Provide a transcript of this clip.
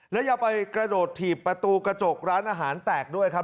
แล้วยังไปกระโดดถีบประตูกระจกร้านอาหารแตกด้วยครับ